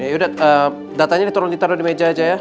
ya udah datanya ditolong ditaruh di meja aja ya